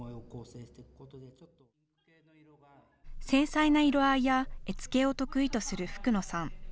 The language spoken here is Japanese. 繊細な色合いや絵付けを得意とする福野さん。